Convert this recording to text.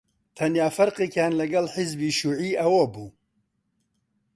تەنیا فەرقێکیان لەگەڵ حیزبی شیووعی ئەوە بوو: